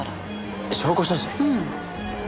うん。